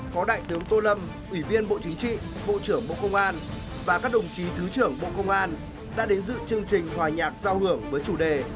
có đại tướng tô lâm ủy viên bộ chính trị bộ trưởng bộ công an và các đồng chí thứ trưởng bộ công an đã đến dự chương trình hòa nhạc giao hưởng với chủ đề